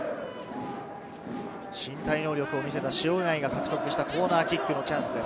身体能力を見せた塩貝が獲得したコーナーキックのチャンスです。